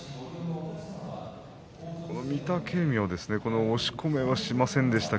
御嶽海は押し込めはしませんでした